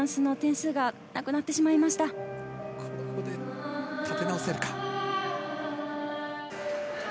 ここで立て直せるか。